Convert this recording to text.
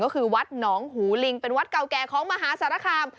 ก็คือวัดหนองหูลิงเป็นวัดเก่าแก่ของมหาสารคาม